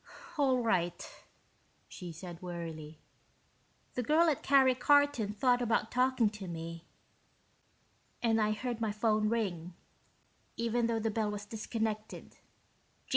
"All right," she said wearily. "The girl at Karry Karton thought about talking to me, and I heard my phone ring, even though the bell was disconnected.